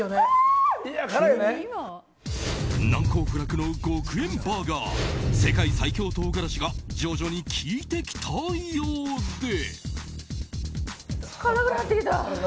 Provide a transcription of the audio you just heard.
難攻不落の獄炎バーガー世界最強唐辛子が徐々に効いてきたようで。